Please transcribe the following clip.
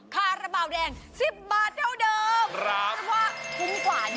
คาระเปล่าแดง๑๐บาทเท่าเดิม